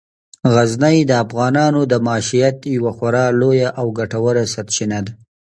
غزني د افغانانو د معیشت یوه خورا لویه او ګټوره سرچینه ده.